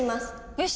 よし！